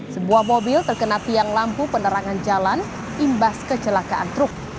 sebuah mobil terkena tiang lampu penerangan jalan imbas kecelakaan truk